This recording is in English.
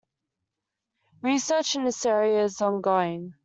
Research in this area is ongoing.